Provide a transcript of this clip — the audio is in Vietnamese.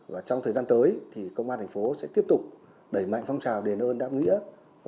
và trong thời gian tới thì công an thành phố sẽ tiếp tục đẩy mạnh phong trào đền ơn đáp nghĩa